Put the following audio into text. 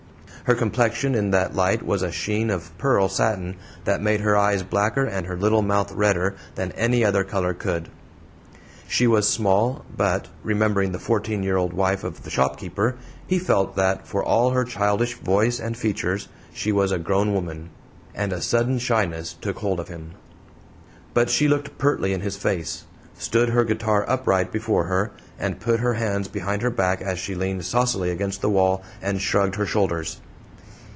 Her complexion in that light was a sheen of pearl satin that made her eyes blacker and her little mouth redder than any other color could. She was small, but, remembering the fourteen year old wife of the shopkeeper, he felt that, for all her childish voice and features, she was a grown woman, and a sudden shyness took hold of him. But she looked pertly in his face, stood her guitar upright before her, and put her hands behind her back as she leaned saucily against the wall and shrugged her shoulders.